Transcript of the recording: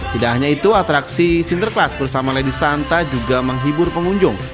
tidak hanya itu atraksi sinterklas bersama lady santa juga menghibur pengunjung